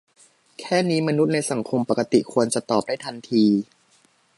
แค่นี้มนุษย์ในสังคมปกติควรจะตอบได้ทันที